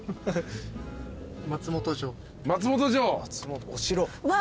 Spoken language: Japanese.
松本城！